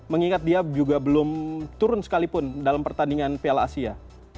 mengingat dia juga belum turun sekalipun dalam pertandingan piala asia